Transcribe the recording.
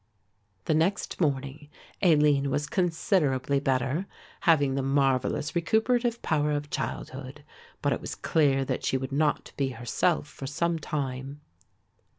The next morning Aline was considerably better, having the marvellous recuperative power of childhood, but it was clear that she would not be herself for some time.